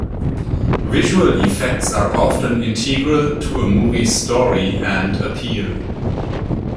Visual effects are often integral to a movie's story and appeal.